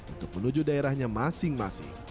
untuk menuju daerahnya masing masing